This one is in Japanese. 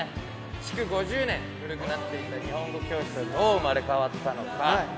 築５０年、古くなっていった日本語教室、どう生まれ変わったのか。